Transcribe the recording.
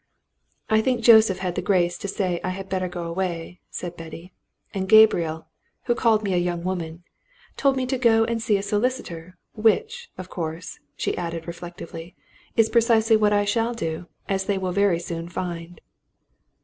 "I think Joseph had the grace to say I had better go away," said Betty. "And Gabriel who called me a young woman told me to go and see a solicitor, which, of course," she added reflectively, "is precisely what I shall do as they will very soon find!"